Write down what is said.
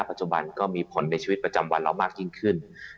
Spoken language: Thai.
ปัจจุบันก็มีผลในชีวิตประจำวันเรามากยิ่งขึ้น